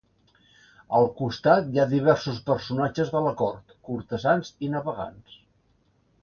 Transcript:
Al costat hi ha diversos personatges de la cort, cortesans i navegants.